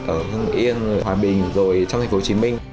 ở hương yên rồi hòa bình rồi trong thành phố hồ chí minh